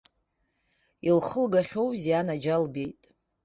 Илхылгахьоузеи, анаџьалбеит!